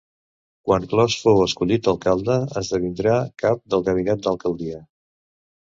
Quan Clos fou escollit alcalde esdevindrà cap del gabinet d'alcaldia.